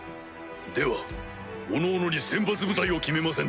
ではおのおのに選抜部隊を決めませんと。